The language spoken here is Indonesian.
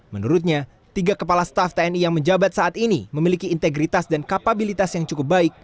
menurutnya tiga kepala staff tni yang menjabat saat ini memiliki integritas dan kapabilitas yang cukup baik